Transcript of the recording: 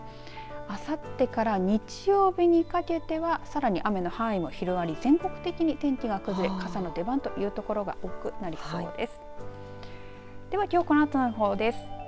あさってから日曜日にかけてはさらに雨の範囲も広がり全国的に天気が崩れ傘の出番という所が多くなりそうです。